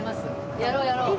やろうやろう。